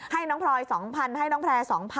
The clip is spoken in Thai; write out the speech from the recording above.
ให้น้องพลอย๒๐๐๐ให้น้องแพร่๒๐๐๐